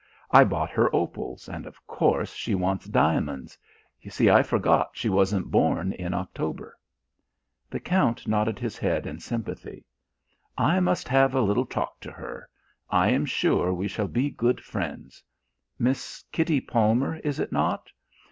I bought her opals, and, of course, she wants diamonds. You see, I forgot she wasn't born in October." The Count nodded his head in sympathy. "I must have a little talk to her. I am sure we shall be good friends. Miss Kitty Palmer, is it not?